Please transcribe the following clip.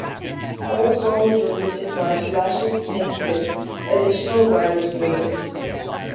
All songs written by Slash's Snakepit; additional writers noted.